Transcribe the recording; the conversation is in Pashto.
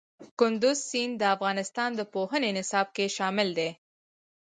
کندز سیند د افغانستان د پوهنې نصاب کې شامل دي.